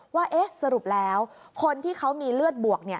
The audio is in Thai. ว่าสรุปแล้วคนที่เขามีเลือดบวก